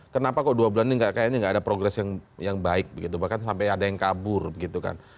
kenapa kok dua bulan ini kayaknya nggak ada progres yang baik begitu bahkan sampai ada yang kabur gitu kan